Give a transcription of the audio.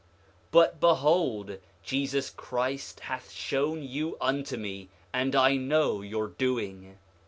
But behold, Jesus Christ hath shown you unto me, and I know your doing.